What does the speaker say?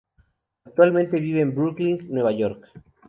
Actualmente vive en Brooklyn, Nueva York.